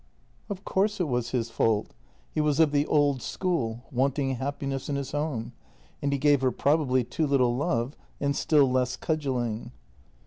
" Of course it was his fault. He was of the old school, want ing happiness in his home, and he gave her probably too little love and still less cudgelling."